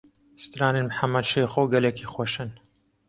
Stranên Mihemed Şêxo gelekî xweş in.